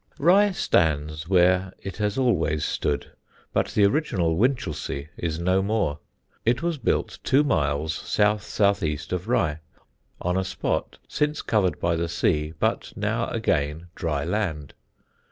Rye stands where it always stood: but the original Winchelsea is no more. It was built two miles south south east of Rye, on a spot since covered by the sea but now again dry land.